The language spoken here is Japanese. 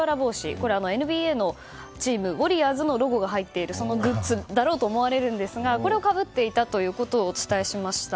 これ、ＮＢＡのチームウォリアーズのロゴが入っているのでそのグッズだろうと思われるんですがこれをかぶっていたことをお伝えしました。